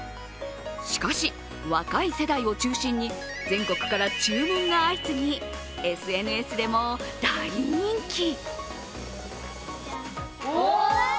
しかし、若い世代を中心に全国から注文が相次ぎ、ＳＮＳでも大人気。